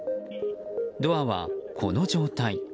ドアは、この状態。